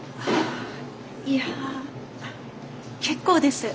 いや結構です。